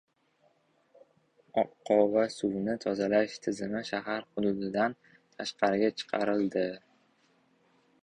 Oqova suvini tozalash tizimi shahar hududidan tashqariga chiqarildi.